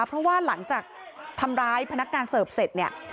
เพราะว่าหลังจากทำร้ายพนักงานเสิร์ฟเสร็จเนี่ย